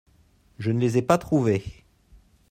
Je ne les ai pas trouvés.